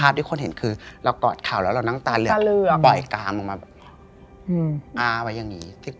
เรากอดข่าวแล้วเรานั่งตาเหลือง